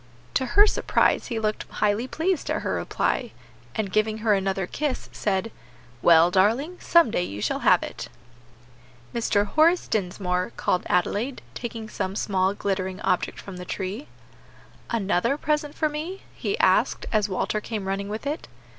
To her surprise he looked highly pleased at her reply, and giving her another kiss, said, "Well, darling, some day you shall have it." "Mr. Horace Dinsmore," called Adelaide, taking some small, glittering object from the tree. "Another present for me?" he asked, as Walter came running with it.